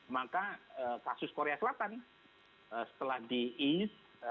maka kasus korea selatan setelah di east